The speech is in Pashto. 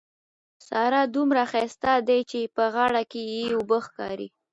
سارا دومره ښايسته ده چې په غاړه کې يې اوبه ښکاري.